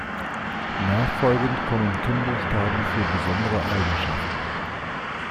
Nachfolgend kommen Kennbuchstaben für besondere Eigenschaften.